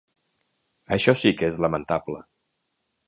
Això sí que és lamentable.